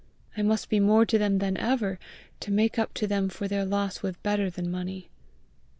I must be more to them than ever, to make up to them for their loss with better than money!"